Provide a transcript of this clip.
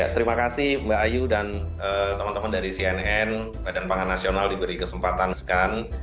terima kasih mbak ayu dan teman teman dari cnn badan pangan nasional diberi kesempatan sekali